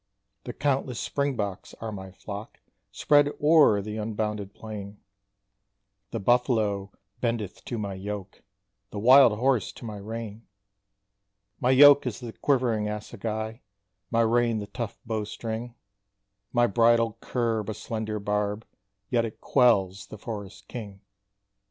The countless springboks are my flock, Spread o'er the unbounded plain; The buffalo bendeth to my yoke, The wild horse to my rein; My yoke is the quivering assegai, My rein the tough bow string; My bridle curb a slender barb Yet it quells the forest king.